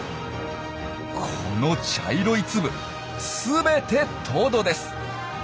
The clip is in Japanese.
この茶色い粒全てトドです！